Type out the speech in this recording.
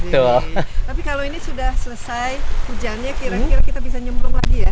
tapi kalau ini sudah selesai hujannya kira kira kita bisa nyemprong lagi ya